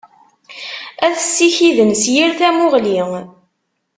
Ad t-ssikiden s yir tamuɣli.